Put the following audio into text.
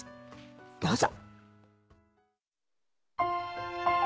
どうぞ。